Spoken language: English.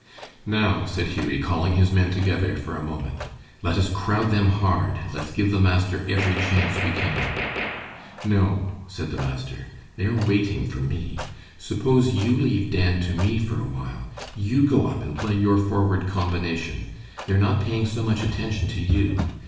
"Now," said Hughie, calling his men together for a moment, "let us crowd them hard, and let's give the master every chance we can." "No," said the master, "they are waiting for me. Suppose you leave Dan to me for a while. You go up and play your forward combination. They are not paying so much attention to you.